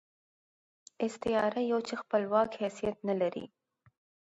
استعاره يو چې خپلواک حيثيت نه لري.